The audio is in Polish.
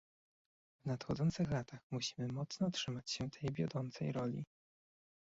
W nadchodzących latach musimy mocno trzymać się tej wiodącej roli